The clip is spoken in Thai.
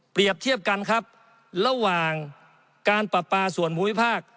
เทียบกันครับระหว่างการปราปาส่วนภูมิภาค